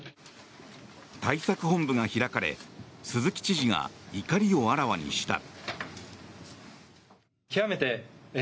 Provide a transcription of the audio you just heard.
対策本部が開かれ鈴木知事が怒りをあらわにした。